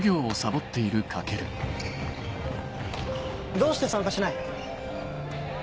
・どうして参加しない？